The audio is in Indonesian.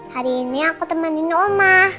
hari ini aku temanin omah